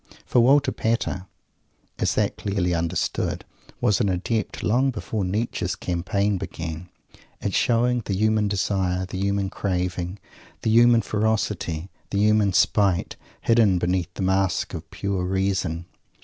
_ For Walter Pater is that clearly understood? was an adept, long before Nietzsche's campaign began, at showing the human desire, the human craving, the human ferocity, the human spite, hidden behind the mask of "Pure Reason."